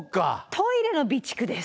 トイレの備蓄です。